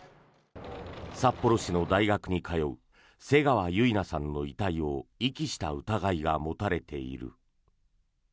札幌市の大学に通う瀬川結菜さんの遺体を遺棄した疑いが持たれている。